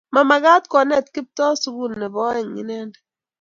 Mamakat konet Kiptoo sukul nebo aeng inendet